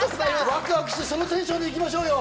ワクワクして、そのテンションで行きましょうよ。